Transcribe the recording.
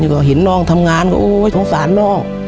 ก็เห็นน้องทำงานก็โอ๊ยสงสารน้อง